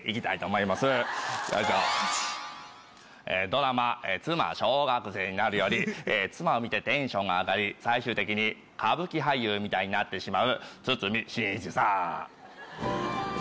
ドラマ『妻、小学生になる。』より妻を見てテンションが上がり最終的に歌舞伎俳優みたいになってしまう堤真一さん。